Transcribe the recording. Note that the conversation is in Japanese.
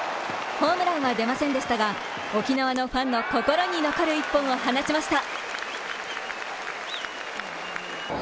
ホームランは出ませんでしたが沖縄のファンの心に残る一本を放ちました。